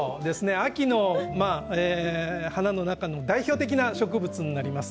秋の花の代表的な植物になります。